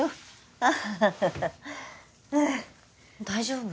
アハハハああ大丈夫？